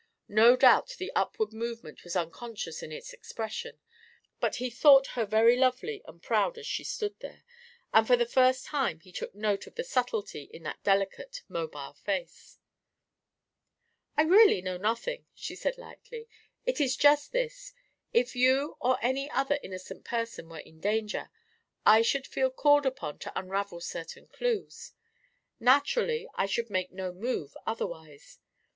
No doubt the upward movement was unconscious in its expression, but he thought her very lovely and proud as she stood there, and for the first time he took note of the subtlety in that delicate mobile face. "I really know nothing," she said lightly. "It is just this: if you or any other innocent person were in danger, I should feel called upon to unravel certain clues. Naturally I should make no move otherwise. Mrs.